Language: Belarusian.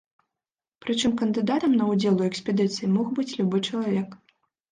Прычым кандыдатам на ўдзел у экспедыцыі мог быць любы чалавек.